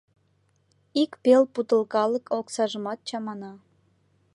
Ик пел путылкалык оксажымат чамана.